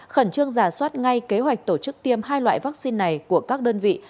khẩn trương giả soát ngay kế hoạch tổ chức tiêm hai loại vaccine này của các đơn vị